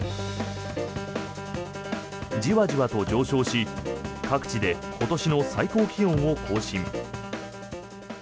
じわじわと上昇し各地で今年の最高気温を更新。